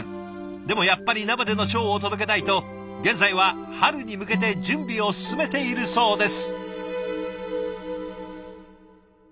でもやっぱり生でのショーを届けたいと現在は春に向けて準備を進めているそうです。